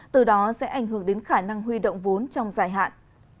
từ đó sẽ ảnh hưởng đến khả năng huy động vốn trong dài hạn